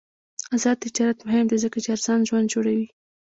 آزاد تجارت مهم دی ځکه چې ارزان ژوند جوړوي.